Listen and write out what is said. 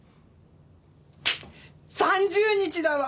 ３０日だわ！